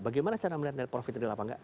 bagaimana cara melihat net profit real apa enggak